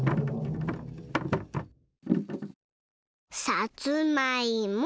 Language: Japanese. さつまいも。